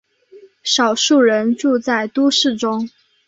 少数人住在都市中。